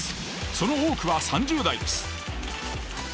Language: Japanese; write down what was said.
その多くは３０代です。